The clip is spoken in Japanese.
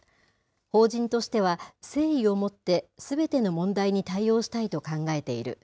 法人としては誠意をもって、すべての問題に対応したいと考えている。